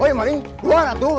woy maling keluar atuh